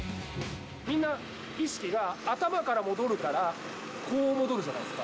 みんな意識が頭から戻るから、こう戻るじゃないですか。